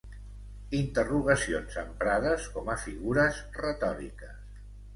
Interrogacions emprades com a figures retòriques.